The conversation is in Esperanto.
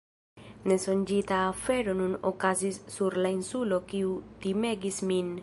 Nesonĝita afero nun okazis sur la insulo kiu timegis min.